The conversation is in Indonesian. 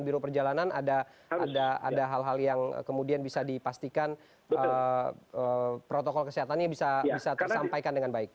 biro perjalanan ada hal hal yang kemudian bisa dipastikan protokol kesehatannya bisa tersampaikan dengan baik